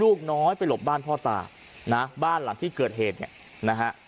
ลูกน้อยไปหลบบ้านพ่อตานะบ้านหลังที่เกิดเหตุเนี่ยนะฮะ